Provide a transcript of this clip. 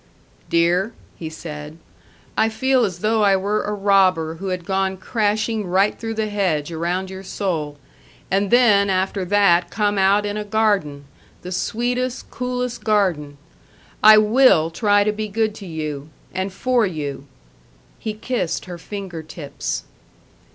"Dear," he said, "I feel as though I were a robber who had gone crashing right through the hedge around your soul, and then after that come out in a garden the sweetest, coolest garden.... I will try to be good to you and for you." He kissed her finger tips.